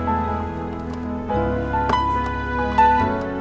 aku mau istirahat lagi